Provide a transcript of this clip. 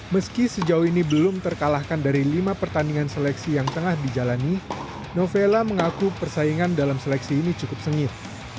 meski sejauh ini belum terkalahkan dari lima pertandingan seleksi yang tengah dijalani novella mengaku persaingan dalam seleksi ini cukup sengit